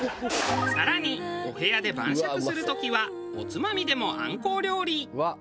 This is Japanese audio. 更にお部屋で晩酌する時はおつまみでもあんこう料理。